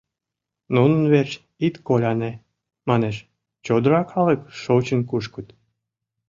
«Нунын верч ит коляне, — манеш, — чодыра калык шочын кушкыт...